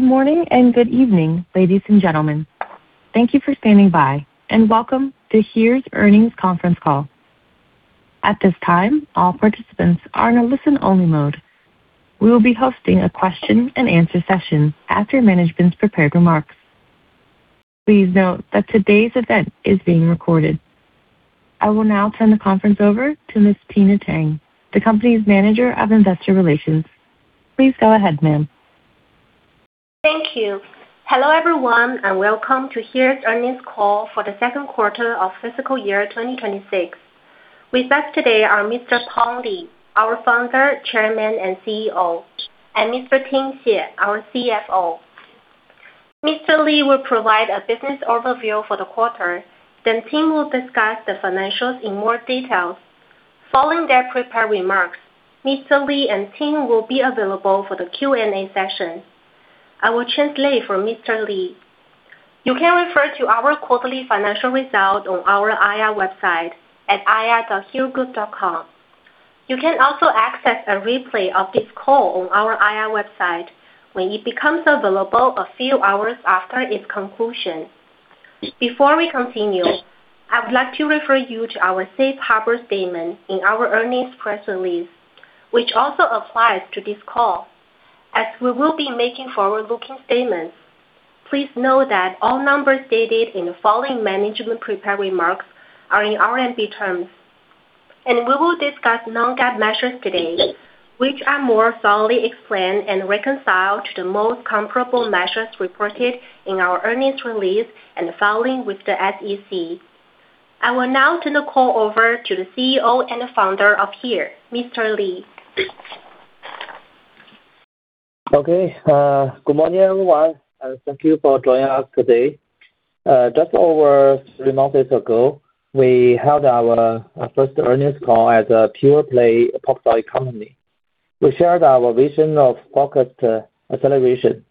Good morning and good evening, ladies and gentlemen. Thank you for standing by, and welcome to HERE's earnings conference call. At this time, all participants are in a listen-only mode. We will be hosting a question-and-answer session after management's prepared remarks. Please note that today's event is being recorded. I will now turn the conference over to Ms. Tina Teng, the company's Manager of Investor Relations. Please go ahead, ma'am. Thank you. Hello, everyone, and welcome to HERE's earnings call for the second quarter of fiscal year 2026. With us today are Mr. Peng Li, our Founder, Chairman, and CEO, and Mr. Tim Xie, our CFO. Mr. Li will provide a business overview for the quarter, then Tim will discuss the financials in more details. Following their prepared remarks, Mr. Li and Tim will be available for the Q&A session. I will translate for Mr. Li. You can refer to our quarterly financial results on our IR website at ir.heregroup.com. You can also access a replay of this call on our IR website when it becomes available a few hours after its conclusion. Before we continue, I would like to refer you to our safe harbor statement in our earnings press release, which also applies to this call as we will be making forward-looking statements. Please note that all numbers stated in the following management prepared remarks are in RMB terms. We will discuss non-GAAP measures today, which are more thoroughly explained and reconciled to the most comparable measures reported in our earnings release and filing with the SEC. I will now turn the call over to the CEO and Founder of HERE, Mr. Peng Li. Okay. Good morning, everyone, and thank you for joining us today. Just over three months ago, we held our first earnings call as a pure-play IP company. We shared our vision of focused acceleration.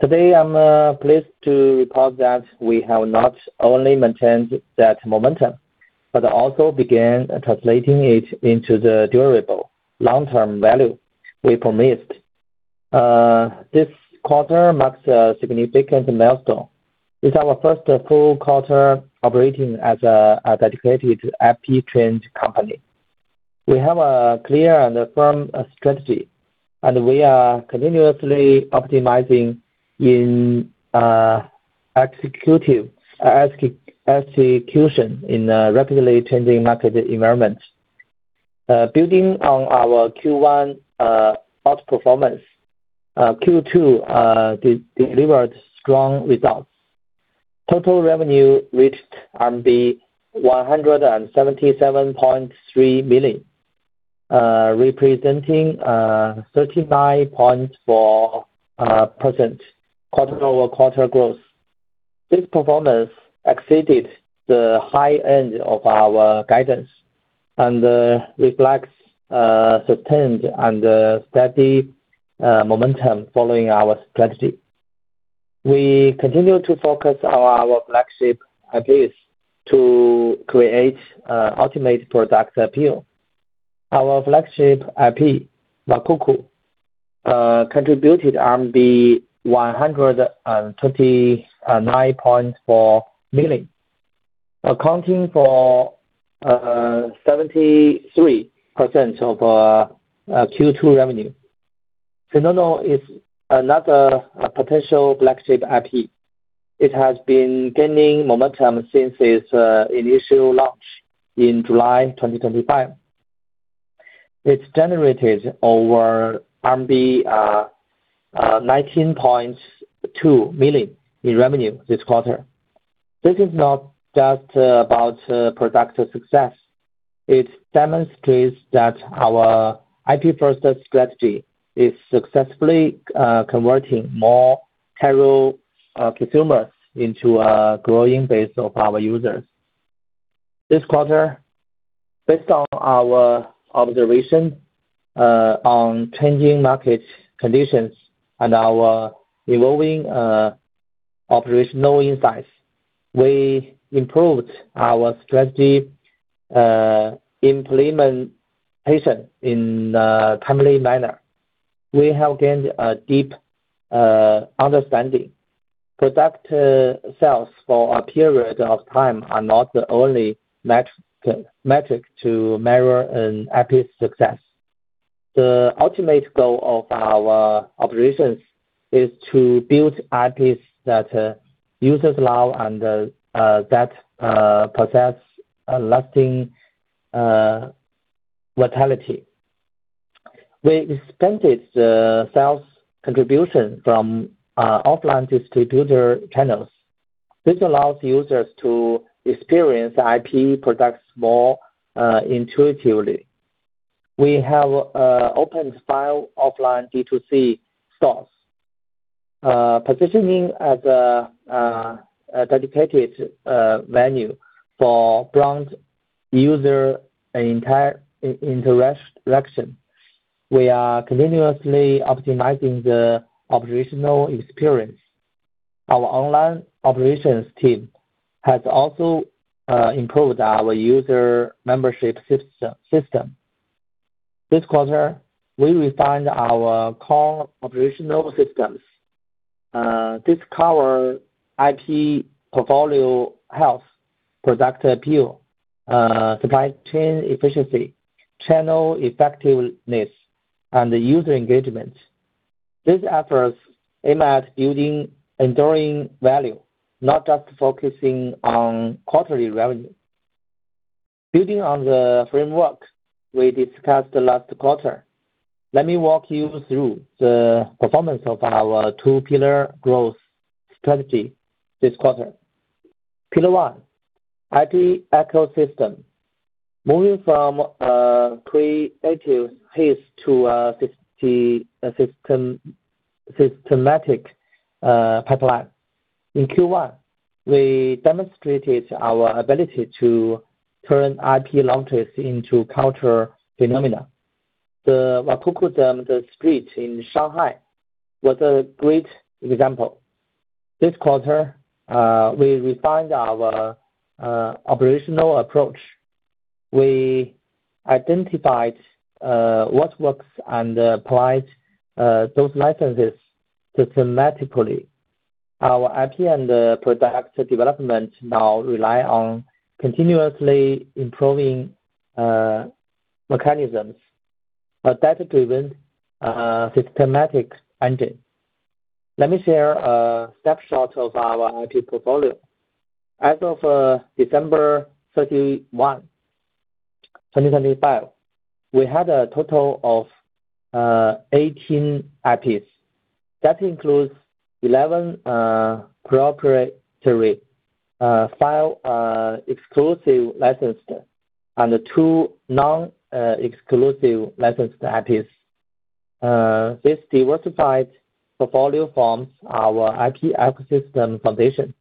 Today, I'm pleased to report that we have not only maintained that momentum, but also began translating it into the durable long-term value we promised. This quarter marks a significant milestone. It's our first full quarter operating as a dedicated IP-trend company. We have a clear and firm strategy, and we are continuously optimizing execution in a rapidly changing market environment. Building on our Q1 outperformance, Q2 delivered strong results. Total revenue reached RMB 177.3 million, representing 39.4% quarter-over-quarter growth. This performance exceeded the high end of our guidance and reflects sustained and steady momentum following our strategy. We continue to focus on our flagship IPs to create ultimate product appeal. Our flagship IP, Makuku, contributed 139.4 million, accounting for 73% of Q2 revenue. Fenono is another potential flagship IP. It has been gaining momentum since its initial launch in July 2025. It's generated over RMB 19.2 million in revenue this quarter. This is not just about product success. It demonstrates that our IP-first strategy is successfully converting more casual consumers into a growing base of our users. This quarter, based on our observation on changing market conditions and our evolving operational insights, we improved our strategy implementation in a timely manner. We have gained a deep understanding. Product sales for a period of time are not the only metric to measure an IP's success. The ultimate goal of our operations is to build IPs that users love and that possess a lasting vitality. We expanded the sales contribution from offline distributor channels. This allows users to experience IP products more intuitively. We have opened five offline D2C stores, positioning as a dedicated venue for brand-user interaction. We are continuously optimizing the operational experience. Our online operations team has also improved our user membership system. This quarter, we refined our core operational systems. This covers IP portfolio health, product appeal, supply chain efficiency, channel effectiveness, and user engagement. These efforts aim at building enduring value, not just focusing on quarterly revenue. Building on the framework we discussed last quarter, let me walk you through the performance of our two pillar growth strategy this quarter. Pillar one: IP ecosystem. Moving from creative hits to a systematic pipeline. In Q1, we demonstrated our ability to turn IP launches into cultural phenomena. The Wakoku Down the Street in Shanghai was a great example. This quarter, we refined our operational approach. We identified what works and applied those licenses systematically. Our IP and product development now rely on continuously improving mechanisms, a data-driven systematic engine. Let me share a snapshot of our IP portfolio. As of December 31, 2025, we had a total of 18 IPs. That includes 11 proprietary, five exclusive licensed, and two non-exclusive licensed IPs. This diversified portfolio forms our IP ecosystem foundation.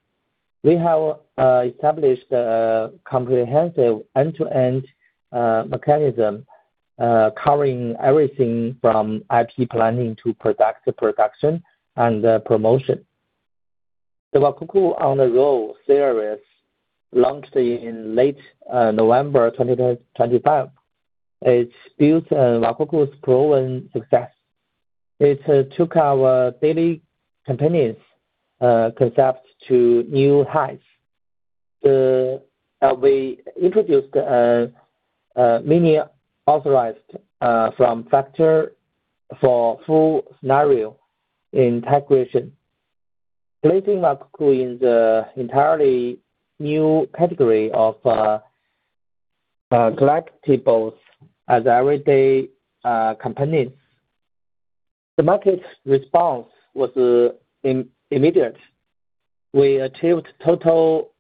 We have established a comprehensive end-to-end mechanism covering everything from IP planning to product production and promotion. The Wakoku on the Road series launched in late November 2025. It's built on Wakoku's proven success. It took our daily companions concept to new heights. We introduced a miniaturized form factor for full scenario integration, placing Wakoku in the entirely new category of collectibles as everyday companions. The market response was immediate. We achieved total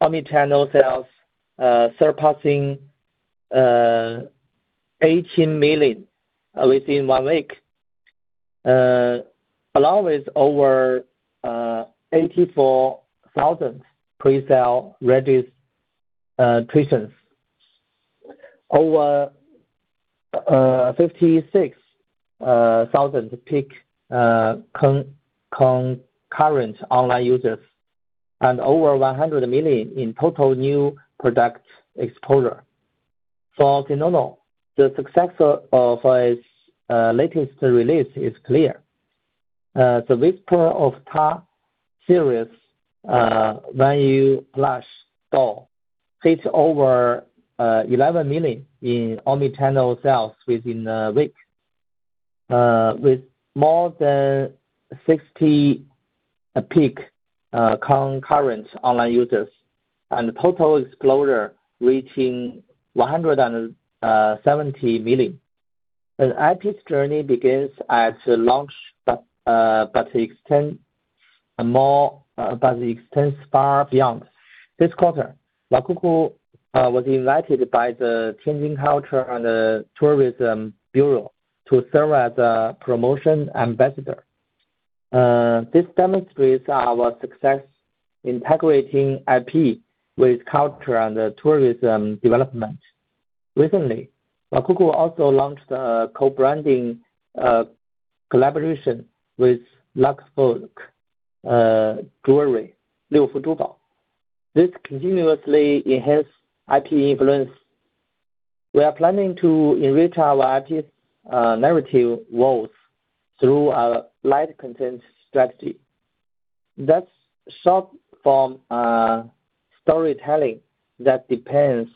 omni-channel sales surpassing RMB 18 million within one week, along with over 84,000 pre-sale registered participants, over 56,000 peak concurrent online users, and over 100 million in total new product exposure. For Kinomo, the success of its latest release is clear. The Whispers of Series vinyl plush doll hits over 11 million in omni-channel sales within a week. With more than 60 peak concurrent online users and total exposure reaching 170 million. An IP's journey begins at launch, it extends far beyond. This quarter, Wakoku was invited by the Tianjin Municipal Bureau of Culture and Tourism to serve as a promotion ambassador. This demonstrates our success integrating IP with culture and tourism development. Recently, Wakoku also launched a co-branding collaboration with Lukfook Jewellery, 六福珠宝. This continuously enhance IP influence. We are planning to enrich our IP's narrative worlds through a live content strategy. That's short-form storytelling that deepens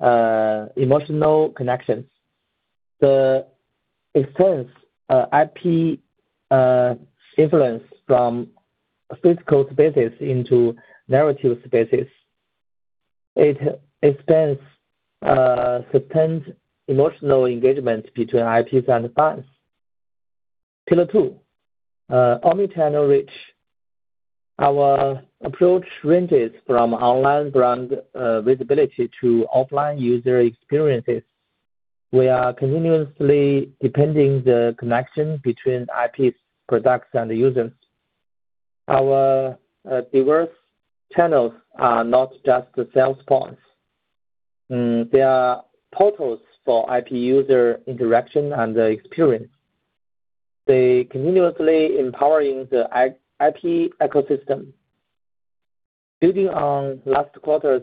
emotional connections. This extends IP influence from physical spaces into narrative spaces. It expands, sustains emotional engagement between IPs and fans. Pillar two, omni-channel reach. Our approach ranges from online brand visibility to offline user experiences. We are continuously deepening the connection between IP's products and the users. Our diverse channels are not just the sales points. They are portals for IP user interaction and experience. They continuously empowering the IP ecosystem. Building on last quarter's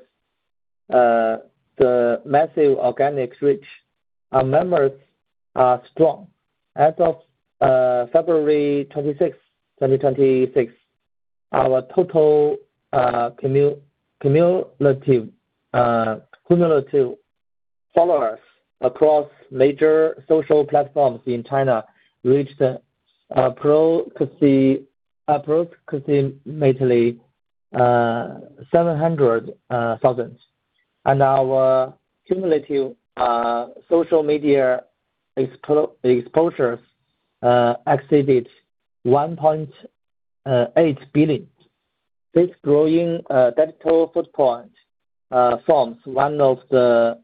massive organic reach, our members are strong. As of February 26, 2026, our total cumulative followers across major social platforms in China reached approximately 700,000. Our cumulative social media exposure exceeded 1.8 billion. This growing digital footprint forms one of the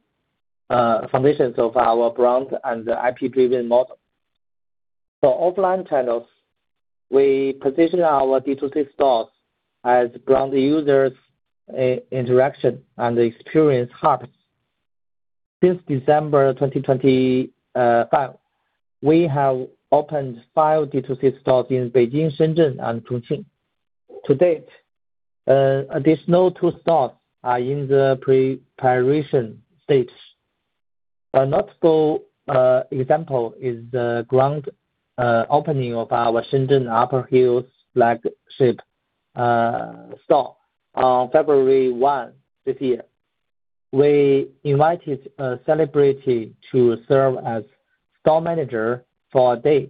foundations of our brand and the IP business model. For offline channels, we position our D2C stores as brand, user interaction and experience hubs. Since December 2025, we have opened five D2C stores in Beijing, Shenzhen, and Chongqing. To date, additional two stores are in the preparation stage. A notable example is the grand opening of our Shenzhen Upper Hills flagship store on February 1 this year. We invited a celebrity to serve as store manager for a day.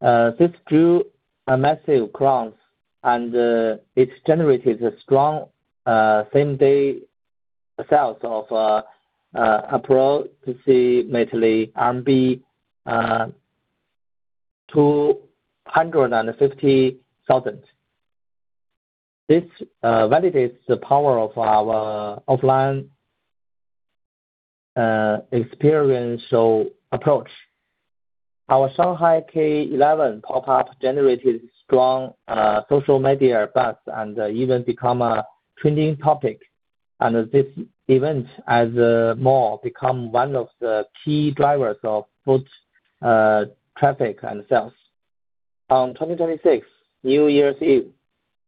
This drew a massive crowd, and it's generated a strong same-day sales of approximately RMB 250,000. This validates the power of our offline experiential approach. Our Shanghai K11 pop-up generated strong social media buzz and even became a trending topic. This event at a mall became one of the key drivers of foot traffic and sales. On 2026 New Year's Eve,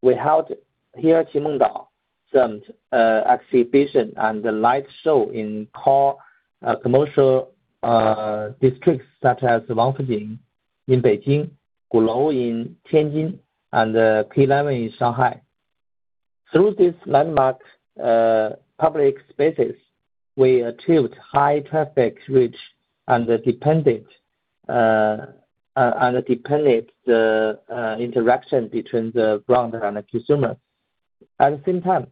we held, here at Qimengdao, some exhibition and the light show in core commercial districts such as Wangfujing in Beijing, Gulou in Tianjin, and K11 in Shanghai. Through these landmarks, public spaces, we achieved high traffic reach and deep interaction between the brand and the consumer. At the same time,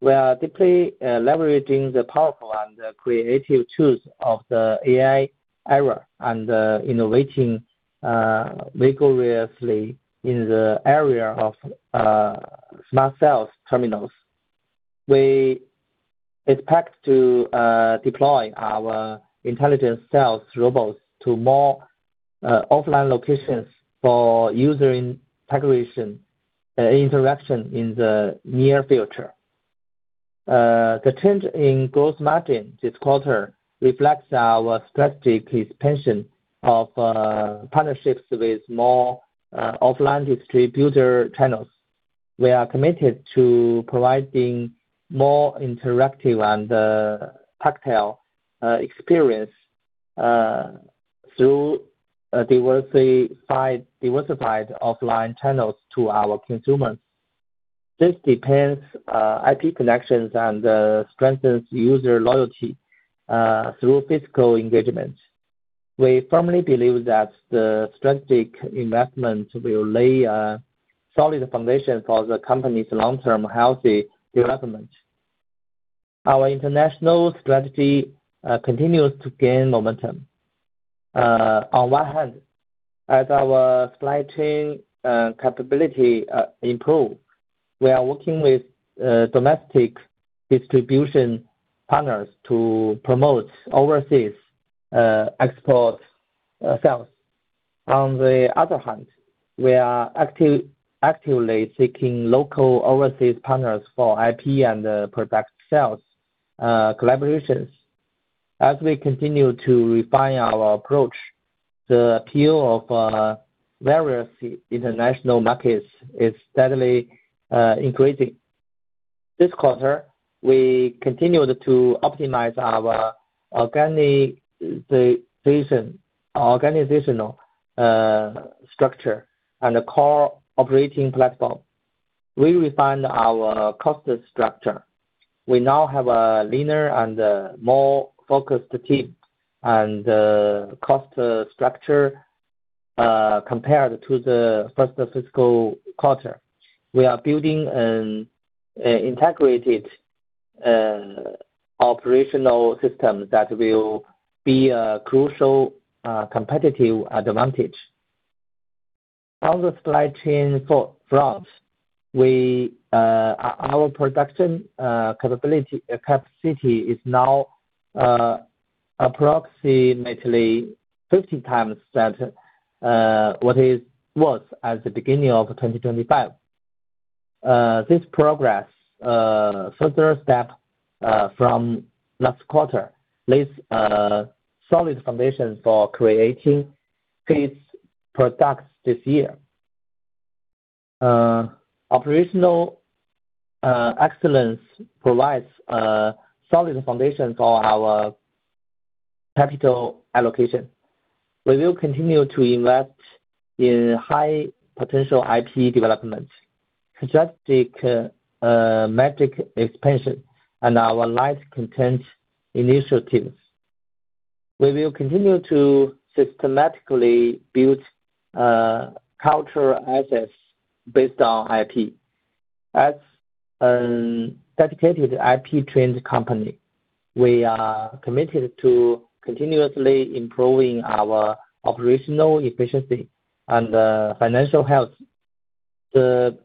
we are deeply leveraging the powerful and creative tools of the AI era and innovating vigorously in the area of smart sales terminals. We expect to deploy our intelligent sales robots to more offline locations for user interaction in the near future. The change in gross margin this quarter reflects our strategic expansion of partnerships with more offline distributor channels. We are committed to providing more interactive and tactile experience through diversified offline channels to our consumers. This deepens IP connections and strengthens user loyalty through physical engagement. We firmly believe that the strategic investment will lay a solid foundation for the company's long-term healthy development. Our international strategy continues to gain momentum. On one hand, as our supply chain capability improve, we are working with domestic distribution partners to promote overseas export sales. On the other hand, we are actively seeking local overseas partners for IP and product sales collaborations. As we continue to refine our approach, the appeal of various international markets is steadily increasing. This quarter, we continued to optimize our organizational structure and the core operating platform. We refined our cost structure. We now have a leaner and more focused team and cost structure compared to the first fiscal quarter. We are building an integrated operational system that will be a crucial competitive advantage. On the supply chain front, our production capacity is now approximately 50x than what it was at the beginning of 2025. This further step from last quarter lays a solid foundation for creating scaled products this year. Operational excellence provides a solid foundation for our capital allocation. We will continue to invest in high potential IP development, strategic market expansion, and our live content initiatives. We will continue to systematically build cultural assets based on IP. As a dedicated IP-trend company, we are committed to continuously improving our operational efficiency and financial health. The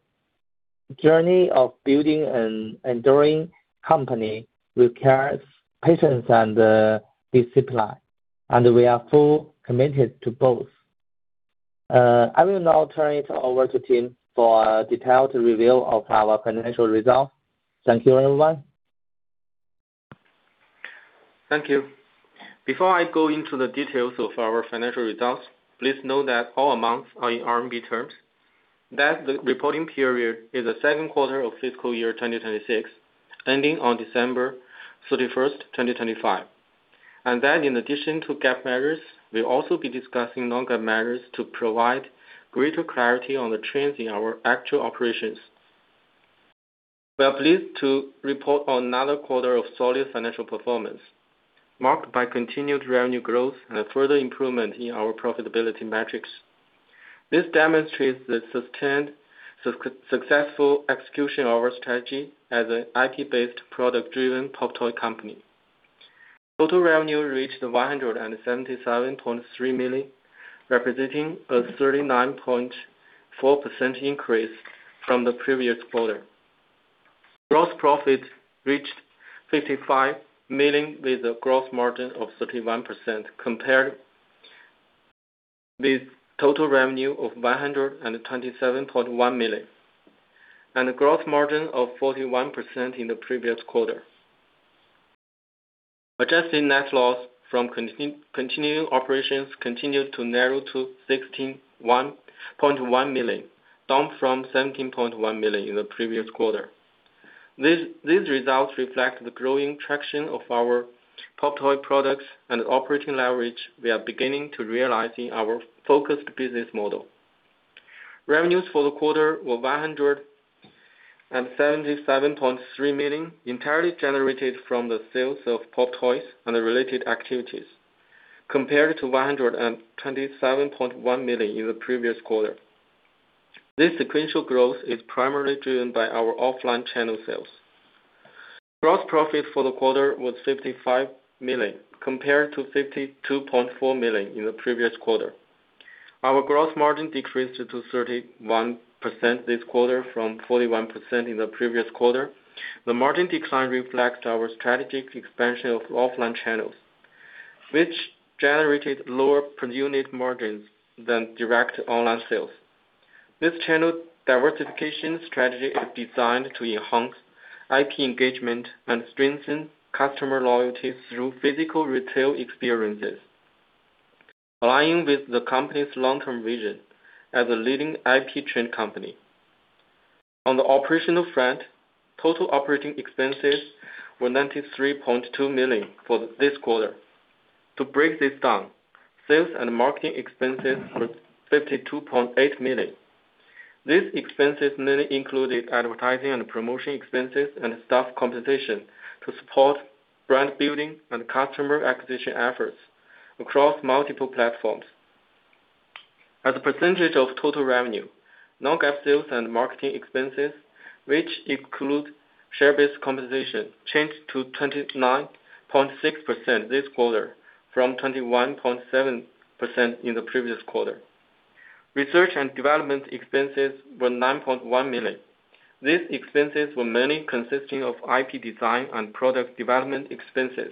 journey of building an enduring company requires patience and discipline, and we are fully committed to both. I will now turn it over to Tim for a detailed review of our financial results. Thank you, everyone. Thank you. Before I go into the details of our financial results, please know that all amounts are in RMB terms, that the reporting period is the second quarter of fiscal year 2026, ending on December 31, 2025. that in addition to GAAP measures, we'll also be discussing non-GAAP measures to provide greater clarity on the trends in our actual operations. We are pleased to report another quarter of solid financial performance, marked by continued revenue growth and a further improvement in our profitability metrics. This demonstrates the sustained successful execution of our strategy as an IP-based product-driven pop toy company. Total revenue reached 177.3 million, representing a 39.4% increase from the previous quarter. Gross profit reached 55 million with a gross margin of 31%, compared with total revenue of 127.1 million, and a gross margin of 41% in the previous quarter. Adjusted net loss from continuing operations continued to narrow to 16.1 million, down from 17.1 million in the previous quarter. These results reflect the growing traction of our pop toy products and operating leverage we are beginning to realize in our focused business model. Revenues for the quarter were 177.3 million, entirely generated from the sales of pop toys and the related activities, compared to 127.1 million in the previous quarter. This sequential growth is primarily driven by our offline channel sales. Gross profit for the quarter was 55 million, compared to 52.4 million in the previous quarter. Our gross margin decreased to 31% this quarter from 41% in the previous quarter. The margin decline reflects our strategic expansion of offline channels, which generated lower per unit margins than direct online sales. This channel diversification strategy is designed to enhance IP engagement and strengthen customer loyalty through physical retail experiences, aligning with the company's long-term vision as a leading IP-trend company. On the operational front, total operating expenses were 93.2 million for this quarter. To break this down, sales and marketing expenses were 52.8 million. These expenses mainly included advertising and promotion expenses and staff compensation to support brand building and customer acquisition efforts across multiple platforms. As a percentage of total revenue, non-GAAP sales and marketing expenses, which include share-based compensation, changed to 29.6% this quarter from 21.7% in the previous quarter. Research and development expenses were 9.1 million. These expenses were mainly consisting of IP design and product development expenses.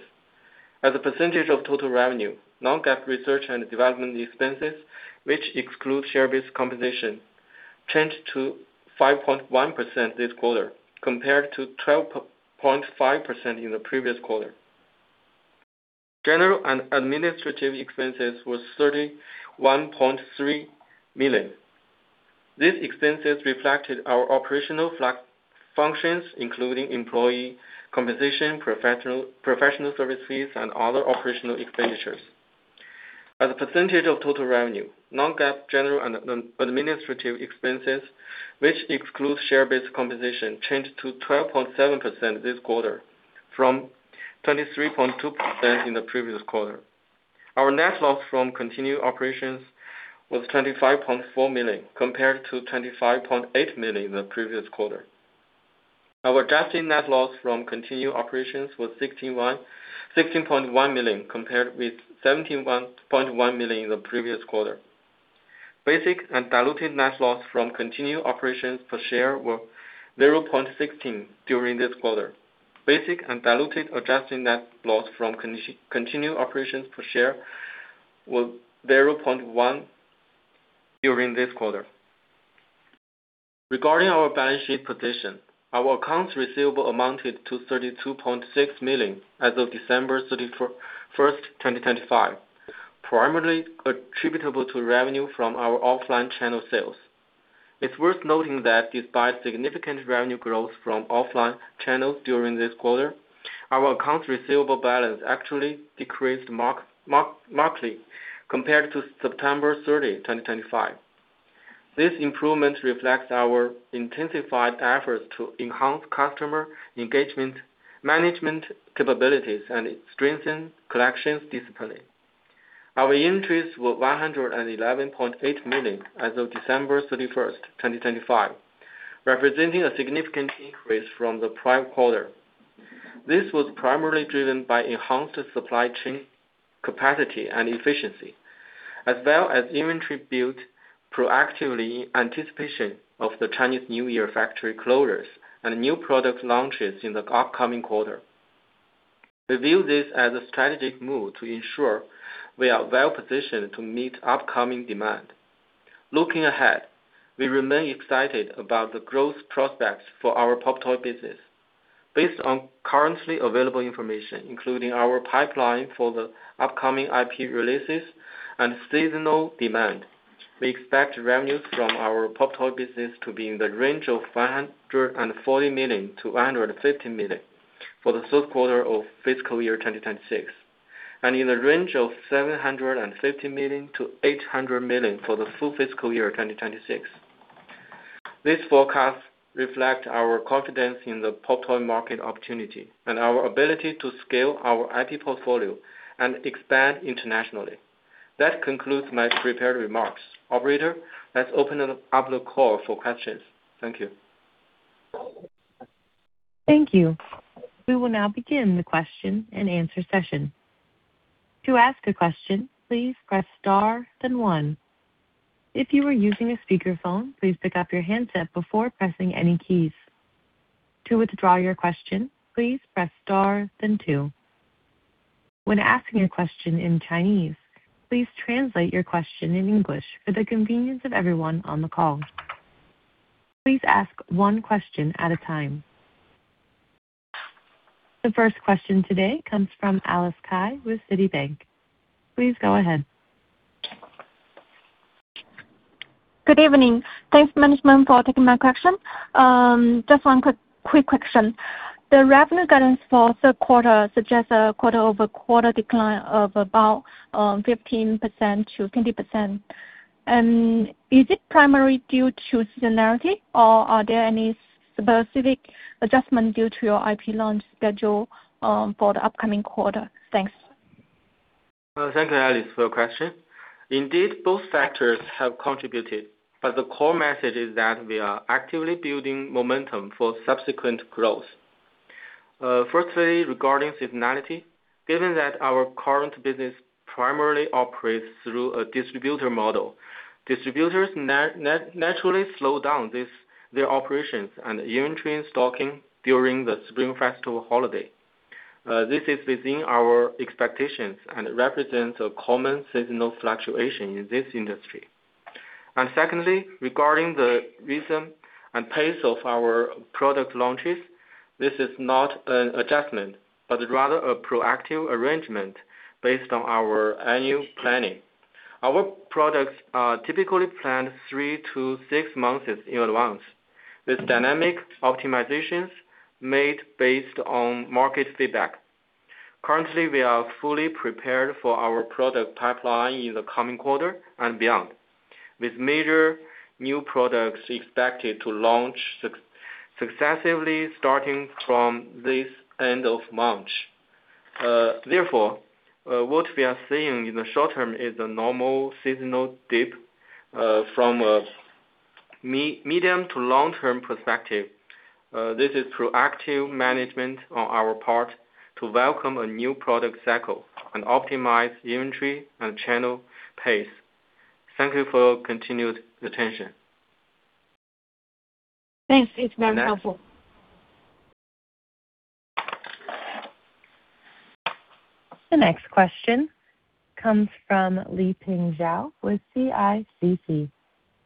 As a percentage of total revenue, non-GAAP research and development expenses, which exclude share-based compensation, changed to 5.1% this quarter, compared to 12.5% in the previous quarter. General and administrative expenses was 31.3 million. These expenses reflected our operational functions, including employee compensation, professional services, and other operational expenditures. As a percentage of total revenue, non-GAAP general and administrative expenses, which excludes share-based compensation, changed to 12.7% this quarter from 23.2% in the previous quarter. Our net loss from continued operations was 25.4 million, compared to 25.8 million in the previous quarter. Our adjusted net loss from continued operations was $61.16 million, compared with $17.1 million in the previous quarter. Basic and diluted net loss from continued operations per share were 0.16 during this quarter. Basic and diluted adjusted net loss from continued operations per share was 0.1 during this quarter. Regarding our balance sheet position, our accounts receivable amounted to $32.6 million as of December 31st, 2025, primarily attributable to revenue from our offline channel sales. It's worth noting that despite significant revenue growth from offline channels during this quarter, our accounts receivable balance actually decreased markedly compared to September 30, 2025. This improvement reflects our intensified efforts to enhance customer engagement, management capabilities, and strengthen collections discipline. Our inventories were 111.8 million as of December 31, 2025, representing a significant increase from the prior quarter. This was primarily driven by enhanced supply chain capacity and efficiency, as well as inventory built proactively in anticipation of the Chinese New Year factory closures and new product launches in the upcoming quarter. We view this as a strategic move to ensure we are well-positioned to meet upcoming demand. Looking ahead, we remain excited about the growth prospects for our pop toy business. Based on currently available information, including our pipeline for the upcoming IP releases and seasonal demand, we expect revenues from our pop toy business to be in the range of 540 million-550 million for the third quarter of fiscal year 2026, and in the range of 750 million-800 million for the full fiscal year 2026. These forecasts reflect our confidence in the pop toy market opportunity and our ability to scale our IP portfolio and expand internationally. That concludes my prepared remarks. Operator, let's open up the call for questions. Thank you. Thank you. We will now begin the question-and-answer session. To ask a question, please press star then one. If you are using a speakerphone, please pick up your handset before pressing any keys. To withdraw your question, please press star then two. When asking a question in Chinese, please translate your question in English for the convenience of everyone on the call. Please ask one question at a time. The first question today comes from Alice Cai with Citigroup. Please go ahead. Good evening. Thanks management for taking my question. Just one quick question. The revenue guidance for third quarter suggests a quarter-over-quarter decline of about 15%-20%. Is it primarily due to seasonality or are there any specific adjustment due to your IP launch schedule for the upcoming quarter? Thanks. Thank you, Alice, for your question. Indeed, both factors have contributed, but the core message is that we are actively building momentum for subsequent growth. Firstly, regarding seasonality, given that our current business primarily operates through a distributor model, distributors naturally slow down their operations and inventory stocking during the Spring Festival holiday. This is within our expectations and represents a common seasonal fluctuation in this industry. Secondly, regarding the reason and pace of our product launches, this is not an adjustment, but rather a proactive arrangement based on our annual planning. Our products are typically planned three to six months in advance with dynamic optimizations made based on market feedback. Currently, we are fully prepared for our product pipeline in the coming quarter and beyond, with major new products expected to launch successively starting from the end of March. Therefore, what we are seeing in the short term is a normal seasonal dip, from a medium to long-term perspective. This is through active management on our part to welcome a new product cycle and optimize inventory and channel pace. Thank you for your continued attention. Thanks. It's very helpful. The next question comes from Liping Zhao with CICC.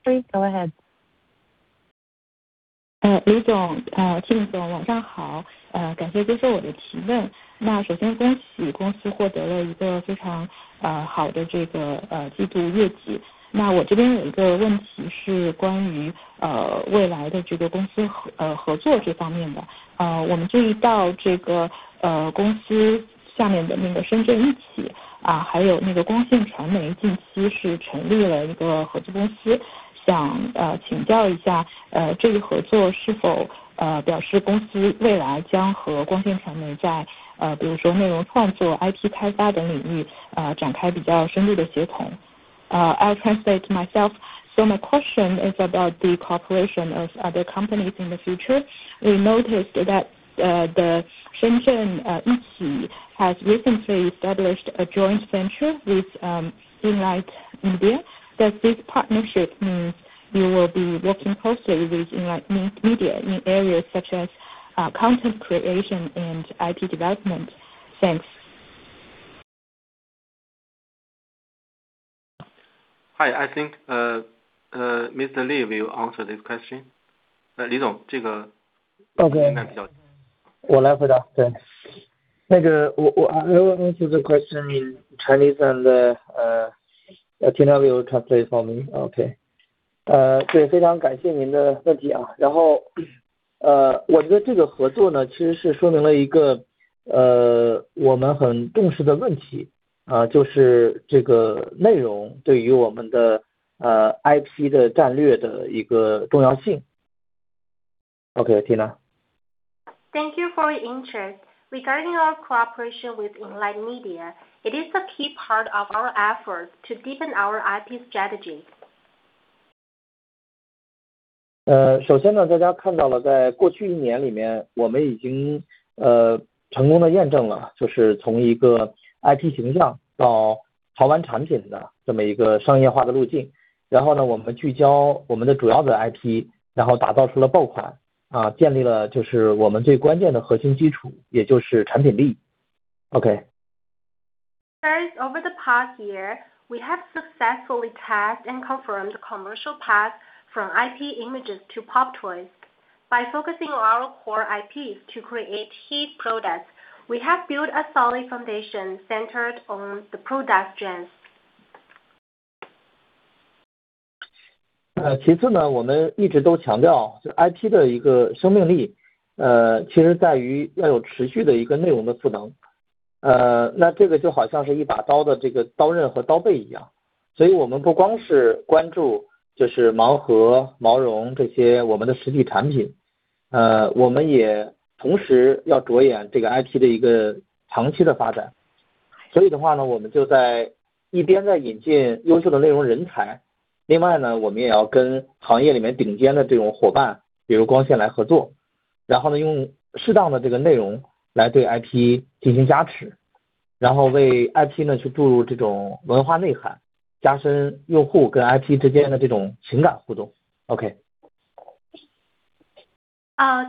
Please go ahead. Peng Li, Tim Xie, I'll translate myself. My question is about the cooperation of other companies in the future. We noticed that the Shenzhen Yiqi has recently established a joint venture with Enlight Media. Does this partnership means you will be working closely with Enlight Media in areas such as content creation and IP development? Thanks. I think Mr. Li will answer this question. 李 总， 这个- Okay。应该比较 我来回答。对。那个，我，I will answer the question in Chinese and Tina will translate for me. Okay. 对，非常感谢您的问题啊。然后，我觉得这个合作呢，其实是说明了一个，我们很重视的问题，啊，就是这个内容对于我们的IP的战略的一个重要性。Okay, Tina。Thank you for your interest. Regarding our cooperation with Enlight Media, it is the key part of our efforts to deepen our IP strategy. 首先，大家看到了，在过去一年里面，我们已经成功地验证了，就是从一个IP形象到潮玩产品的这么一个商业化的路径。然后，我们聚焦我们的主要的IP，然后打造出了爆款，建立了就是我们最关键的核心基础，也就是产品力。Okay。First, over the past year, we have successfully test and confirmed the commercial path from IP images to pop toys. By focusing our core IPs to create hit products, we have built a solid foundation centered on the product gems.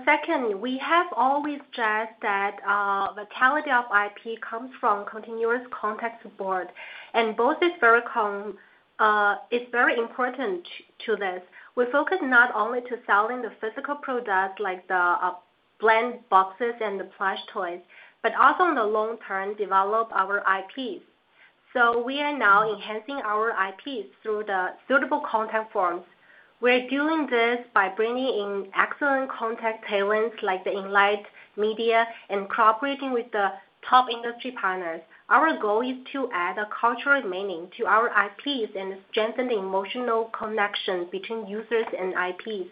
Secondly, we have always stressed that the quality of IP comes from continuous content board, and both is very important to this. We focus not only to selling the physical product like the blind boxes and the plush toys, but also in the long term develop our IPs. We are now enhancing our IPs through the suitable content forms. We are doing this by bringing in excellent content talents like the Enlight Media and cooperating with the top industry partners. Our goal is to add a cultural meaning to our IPs and strengthen the emotional connection between users and IPs.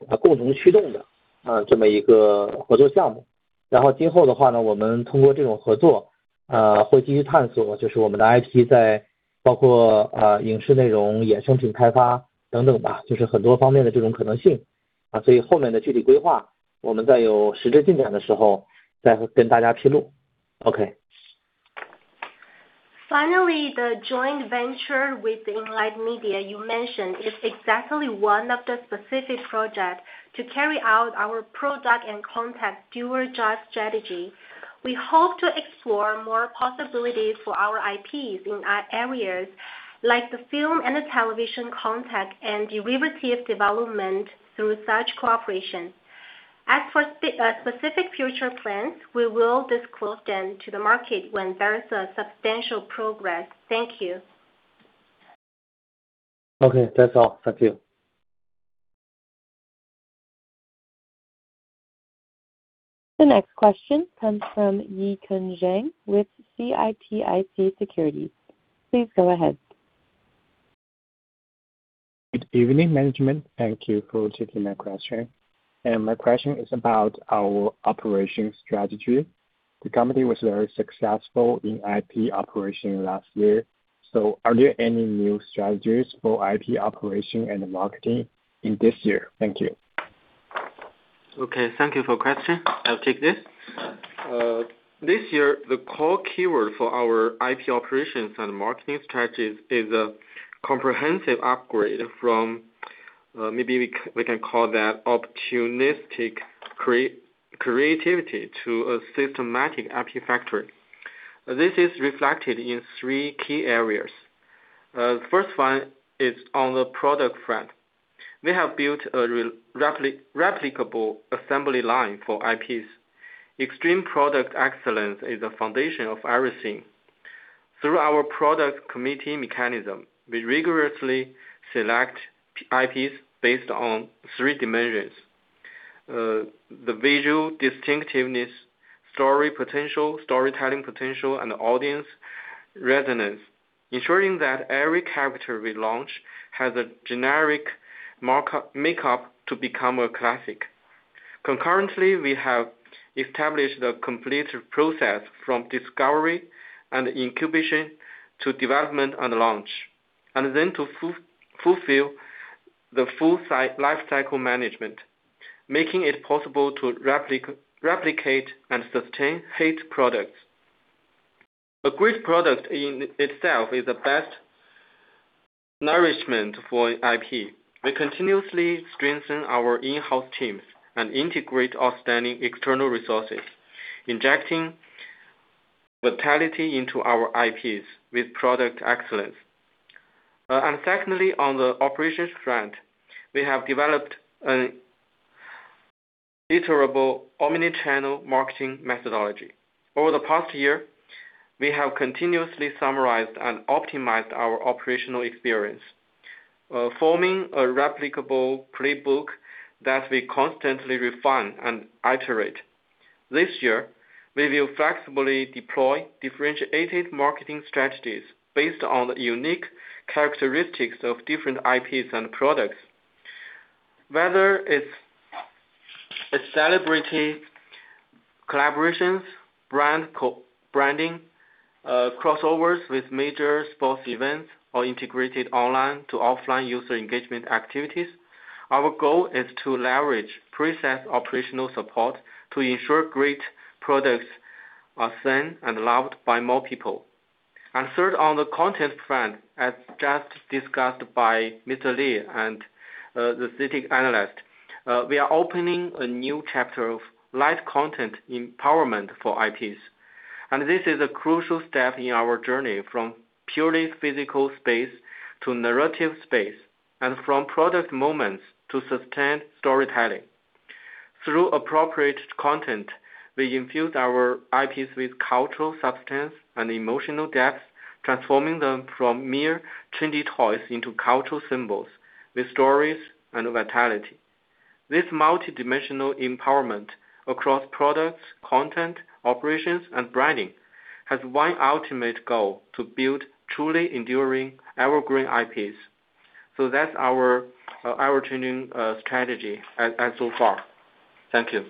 对，所以您提到的这个跟光线的合作公司，其实就是我们践行，以上说的这个产品和内容，共同驱动的，这么一个合作项目。然后今后的话呢，我们通过这种合作，会继续探索，就是我们的IP在包括影视内容、衍生品开发等等吧，就是很多方面的这种可能性。所以后面的具体规划，我们在有实质进展的时候再跟大家披露。Okay。Finally, the joint venture with Enlight Media you mentioned is exactly one of the specific project to carry out our product and content dual drive strategy. We hope to explore more possibilities for our IPs in areas like the film and the television content and derivative development through such cooperation. As for specific future plans, we will disclose them to the market when there is a substantial progress. Thank you. Okay. That's all. Thank you. The next question comes from Yikun Zhang with CITIC Securities. Please go ahead. Good evening, management. Thank you for taking my question. My question is about our operation strategy. The company was very successful in IP operation last year, so are there any new strategies for IP operation and marketing in this year? Thank you. Okay. Thank you for the question. I'll take this. This year, the core keyword for our IP operations and marketing strategies is a comprehensive upgrade from maybe we can call that opportunistic creativity to a systematic IP factory. This is reflected in three key areas. First one is on the product front. We have built a replicable assembly line for IPs. Extreme product excellence is the foundation of everything. Through our product committee mechanism, we rigorously select IPs based on three dimensions: the visual distinctiveness, story potential, storytelling potential, and audience resonance, ensuring that every character we launch has a generic makeup to become a classic. Concurrently, we have established a complete process from discovery and incubation to development and launch, and then to fulfill the full lifecycle management, making it possible to replicate and sustain hit products. A great product in itself is the best nourishment for IP. We continuously strengthen our in-house teams and integrate outstanding external resources, injecting vitality into our IPs with product excellence. Secondly, on the operations front, we have developed an iterable omni-channel marketing methodology. Over the past year, we have continuously summarized and optimized our operational experience, forming a replicable playbook that we constantly refine and iterate. This year, we will flexibly deploy differentiated marketing strategies based on the unique characteristics of different IPs and products. Whether it's a celebrity collaborations, brand co-branding, crossovers with major sports events or integrated online to offline user engagement activities, our goal is to leverage pre-sales operational support to ensure great products are seen and loved by more people. Third, on the content front, as just discussed by Mr. Li and the CITIC analyst, we are opening a new chapter of live content empowerment for IPs. This is a crucial step in our journey from purely physical space to narrative space, and from product moments to sustained storytelling. Through appropriate content, we infuse our IPs with cultural substance and emotional depth, transforming them from mere trendy toys into cultural symbols with stories and vitality. This multidimensional empowerment across products, content, operations, and branding has one ultimate goal, to build truly enduring evergreen IPs. That's our IP-trend strategy so far. Thank you.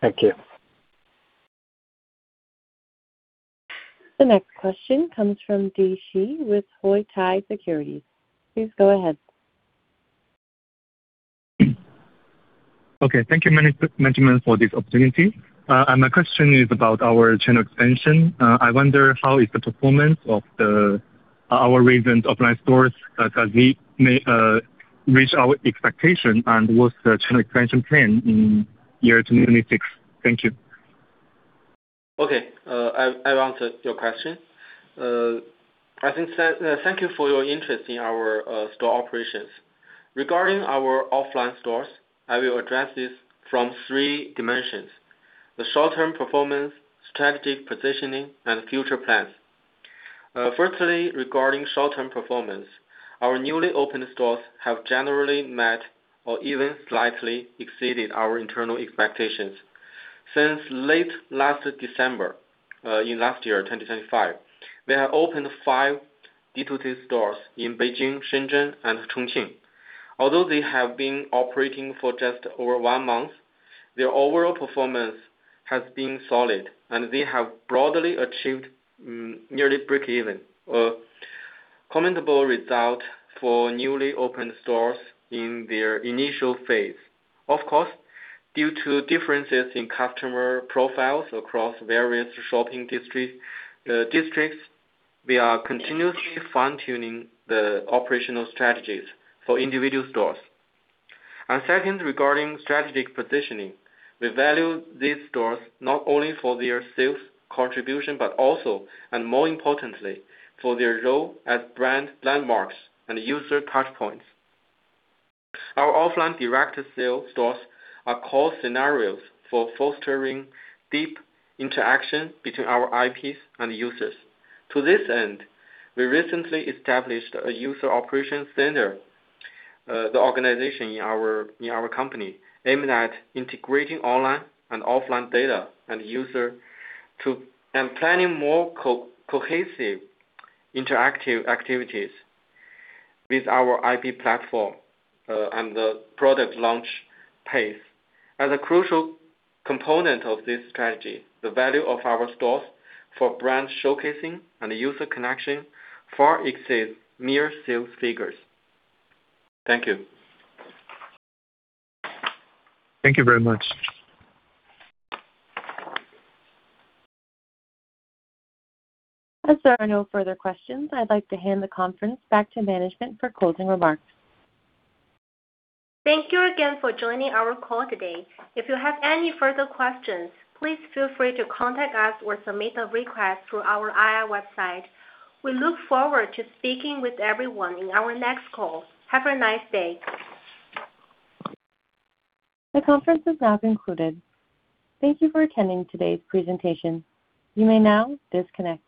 Thank you. The next question comes from Di Shi with Haitong Securities. Please go ahead. Thank you, management, for this opportunity. My question is about our channel expansion. I wonder how is the performance of our recent offline stores, 'cause we may reach our expectation and what's the channel expansion plan in 2026? Thank you. Okay, I'll answer your question. Thank you for your interest in our store operations. Regarding our offline stores, I will address this from three dimensions, the short-term performance, strategic positioning, and future plans. First, regarding short-term performance, our newly opened stores have generally met or even slightly exceeded our internal expectations. Since late last December 2025, we have opened five D2C stores in Beijing, Shenzhen, and Chongqing. Although they have been operating for just over 1 month, their overall performance has been solid, and they have broadly achieved nearly breakeven. Commendable result for newly opened stores in their initial phase. Of course, due to differences in customer profiles across various shopping districts, we are continuously fine-tuning the operational strategies for individual stores. Second, regarding strategic positioning, we value these stores not only for their sales contribution, but also, and more importantly, for their role as brand landmarks and user touchpoints. Our offline direct sale stores are core scenarios for fostering deep interaction between our IPs and users. To this end, we recently established a user operations center, the organization in our company, aiming at integrating online and offline data and users and planning more cohesive interactive activities with our IP platform, and the product launch pace. As a crucial component of this strategy, the value of our stores for brand showcasing and user connection far exceeds mere sales figures. Thank you. Thank you very much. As there are no further questions, I'd like to hand the conference back to management for closing remarks. Thank you again for joining our call today. If you have any further questions, please feel free to contact us or submit a request through our IR website. We look forward to speaking with everyone in our next call. Have a nice day. The conference is now concluded. Thank you for attending today's presentation. You may now disconnect.